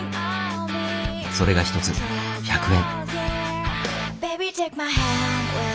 それが一つ１００円。